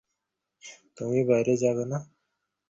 আমিও রে, ভাই।